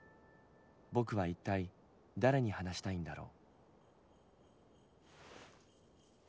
僕は一体誰に話したいんだろう。